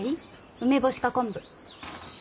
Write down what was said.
梅干しか昆布。